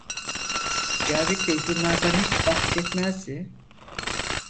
Cavit Bey bunlardan hiç bahsetmezdi.